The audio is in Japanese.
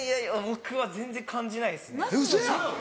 僕は全然感じないですね。